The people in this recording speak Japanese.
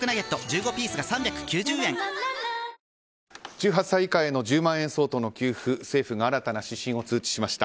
１８歳以下への１０万円相当の給付政府が新たな指針を通知しました。